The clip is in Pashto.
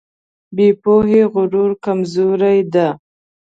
بې پوهې غرور کمزوري ده.